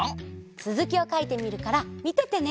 つづきをかいてみるからみててね。